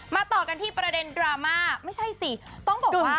ต่อกันที่ประเด็นดราม่าไม่ใช่สิต้องบอกว่า